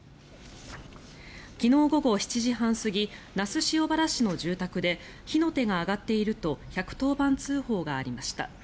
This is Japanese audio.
昨日午後７時半過ぎ那須塩原市の住宅で火の手が上がっていると１１０番通報がありました。